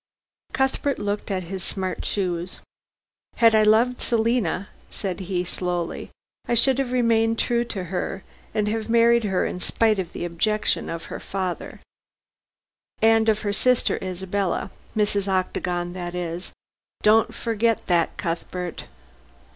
Cuthbert looked at his smart shoes. "Had I loved Selina," said he slowly, "I should have remained true to her, and have married her in spite of the objection of her father " "And of her sister Isabella Mrs. Octagon that is; don't forget that, Cuthbert.